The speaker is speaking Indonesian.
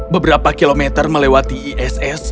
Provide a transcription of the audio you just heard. beberapa kilometer melewati iss